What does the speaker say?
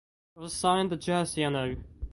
He was assigned the jersey no.